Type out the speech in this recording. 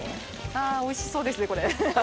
あおいしそうですねこれ。